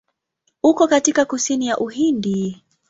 Uko katika kusini ya Uhindi.